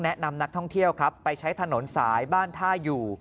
นำนักท่องเที่ยวครับไปใช้ถนนสายบ้านท่าอยู่